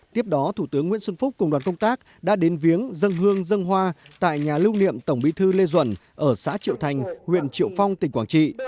tiếp đó thủ tướng nguyễn xuân phúc cùng đoàn công tác đã đến viếng dân hương dân hoa tại nhà lưu niệm tổng bí thư lê duẩn ở xã triệu thành huyện triệu phong tỉnh quảng trị